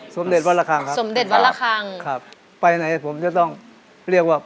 สมเด็จวันละครั้งครับสมเด็จวันละครั้งครับไปไหนผมจะต้องเรียกว่า